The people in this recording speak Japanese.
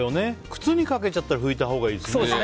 靴にかけたら拭いたほうがいいですね。